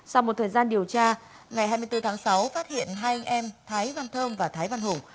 sau một thời gian điều tra ngày hai mươi bốn tháng sáu phát hiện hai anh em thái văn thơm và thái văn hùng